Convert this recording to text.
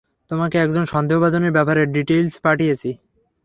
তোমাকে একজন সন্দেহভাজনের ব্যাপারে ডিটেইলস পাঠিয়েছি।